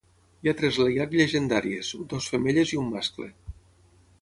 Hi ha tres Leyak llegendàries, dues femelles i un mascle.